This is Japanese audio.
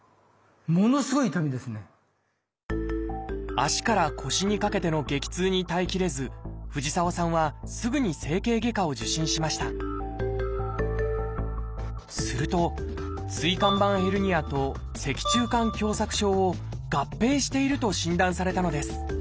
脚から腰にかけての激痛に耐え切れず藤沢さんはすぐに整形外科を受診しましたすると「椎間板ヘルニア」と「脊柱管狭窄症」を合併していると診断されたのです。